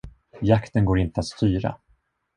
Jakten går inte att styra.